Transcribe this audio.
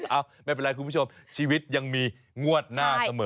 ไม่เป็นไรคุณผู้ชมชีวิตยังมีงวดหน้าเสมอ